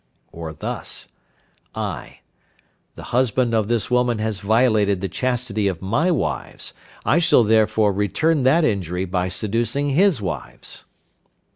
Or thus: (i). The husband of this woman has violated the chastity of my wives, I shall therefore return that injury by seducing his wives.